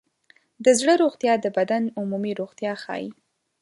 د زړه روغتیا د بدن عمومي روغتیا ښيي.